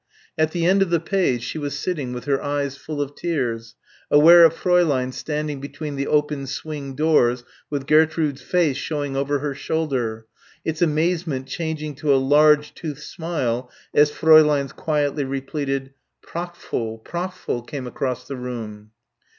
At the end of the page she was sitting with her eyes full of tears, aware of Fräulein standing between the open swing doors with Gertrude's face showing over her shoulder its amazement changing to a large toothed smile as Fräulein's quietly repeated "Prachtvoll, prachtvoll" came across the room.